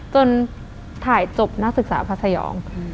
จนถ่ายจบนักศึกษาพัทยอง